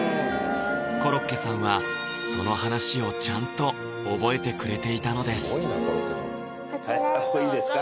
コロッケさんはその話をちゃんと覚えてくれていたのですこちらへどうぞここいいですか？